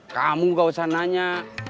kamu gak usah nanya